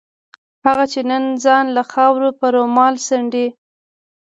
هغه چې نن ځان له خاورو په رومال څنډي.